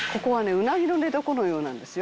うなぎの寝床のようなんですよ」